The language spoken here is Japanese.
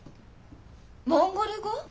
モンゴル語？